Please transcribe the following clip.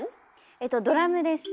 えとドラムです。